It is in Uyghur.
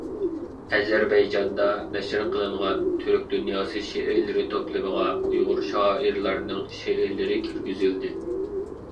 ئەزەربەيجاندا نەشر قىلىنغان «تۈرك دۇنياسى شېئىرلىرى توپلىمى»غا ئۇيغۇر شائىرلارنىڭ شېئىرلىرى كىرگۈزۈلدى.